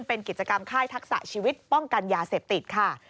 เป็นกิจกรรมค่ายทักษะชีวิตป้องกันยาเสพติดค่ะ